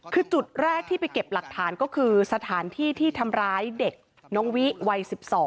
คือจุดแรกที่ไปเก็บหลักฐานก็คือสถานที่ที่ทำร้ายเด็กน้องวิวัย๑๒